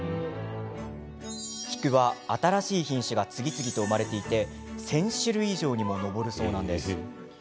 菊は、新しい品種が次々と生まれていて１０００種類以上にも上るそう。